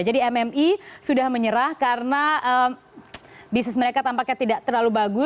jadi mmi sudah menyerah karena bisnis mereka tampaknya tidak terlalu bagus